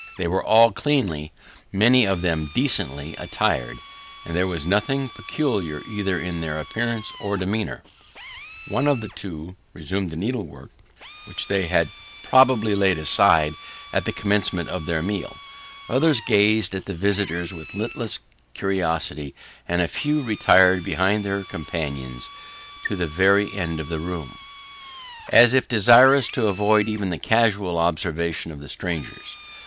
They were all cleanly many of them decently attired, and there was nothing peculiar, either in their appearance or demeanour. One or two resumed the needlework which they had probably laid aside at the commencement of their meal; others gazed at the visitors with listless curiosity; and a few retired behind their companions to the very end of the room, as if desirous to avoid even the casual observation of the strangers.